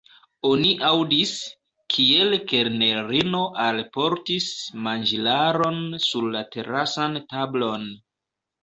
Oni aŭdis, kiel kelnerino alportis manĝilaron sur la terasan tablon.